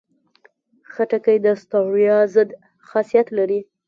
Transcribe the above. خټکی د ستړیا ضد خاصیت لري.